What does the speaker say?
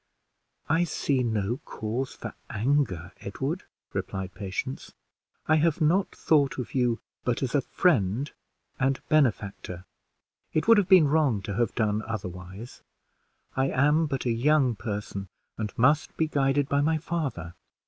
"I see no cause for anger, Edward," replied Patience. "I have not thought of you but as a friend and benefactor; it would have been wrong to have done otherwise. I am but a young person, and must be guided by my father.